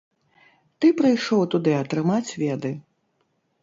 Ты прыйшоў туды атрымаць веды.